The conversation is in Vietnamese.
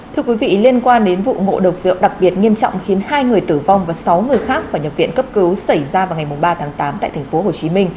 thưa quý vị liên quan đến vụ ngộ độc rượu đặc biệt nghiêm trọng khiến hai người tử vong và sáu người khác phải nhập viện cấp cứu xảy ra vào ngày ba tháng tám tại tp hcm